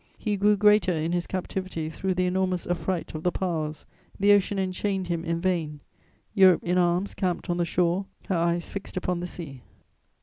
He grew greater in his captivity through the enormous affright of the Powers; the Ocean enchained him in vain: Europe in arms camped on the shore, her eyes fixed upon the sea.